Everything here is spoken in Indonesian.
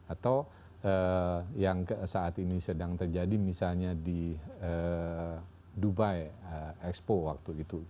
atau yang saat ini sedang terjadi misalnya di dubai expo waktu itu